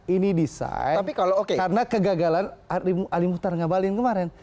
ini desain karena kegagalan ali muhtar ngabalin kemarin